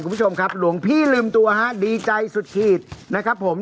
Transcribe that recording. คุณผู้ชมครับหลวงพี่ลืมตัวฮะดีใจสุดขีดนะครับผม